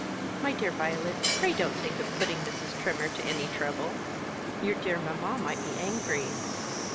"My dear Violet, pray don't think of putting Mrs. Trimmer to any trouble. Your dear mamma might be angry."